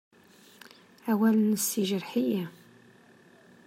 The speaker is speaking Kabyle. Awal-nnes yejreḥ-iyi.